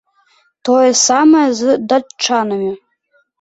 Тое самае з датчанамі.